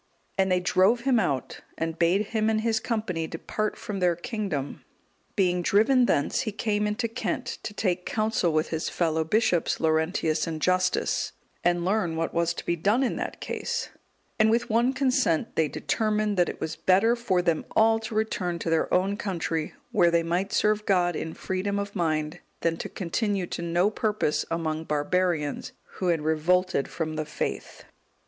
And they drove him out and bade him and his company depart from their kingdom. Being driven thence, he came into Kent, to take counsel with his fellow bishops, Laurentius and Justus, and learn what was to be done in that case; and with one consent they determined that it was better for them all to return to their own country, where they might serve God in freedom of mind, than to continue to no purpose among barbarians, who had revolted from the faith.